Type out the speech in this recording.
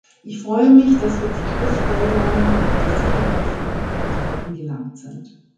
Ich freue mich, dass wir zu Schlussfolgerungen über die Sicherheit von Implantaten gelangt sind.